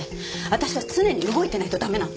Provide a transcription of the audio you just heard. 私は常に動いてないと駄目なの。